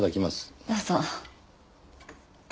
どうぞ。